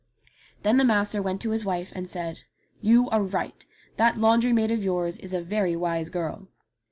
Then the master went to his wife and said, "You are right. That laundry maid of yours is a very wise girl."